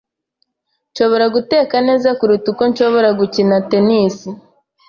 Nshobora guteka neza kuruta uko nshobora gukina tennis.